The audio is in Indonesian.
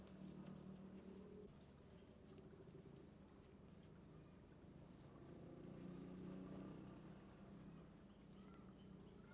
menjadi kemampuan anda